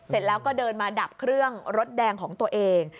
เสร็จแล้วก็เดินมาดับเครื่องรถแดงของตัวเอง